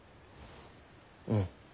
うん。